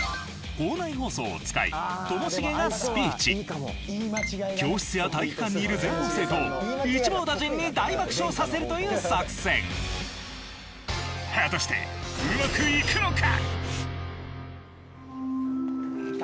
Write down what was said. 誰もが考えた教室や体育館にいる全校生徒を一網打尽に大爆笑させるという作戦果たしてうまくいくのか？